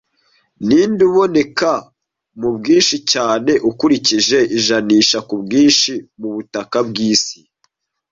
Ninde uboneka mubwinshi cyane ukurikije ijanisha kubwinshi mubutaka bwisi